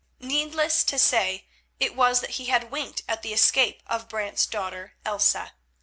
Needless to say, it was that he had winked at the escape of Brant's daughter, Elsa.